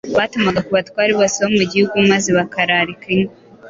batumaga ku batware bose bo mu gihugu maze bakararika ingo